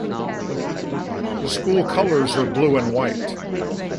The schools colors are Blue and white.